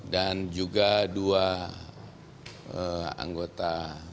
dan juga dua anggota